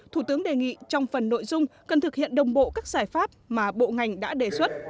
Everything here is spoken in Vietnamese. thủ tướng đề nghị trong phần nội dung cần thực hiện đồng bộ các giải pháp mà bộ ngành đã đề xuất